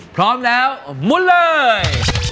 พร้อมแล้วมุนเลย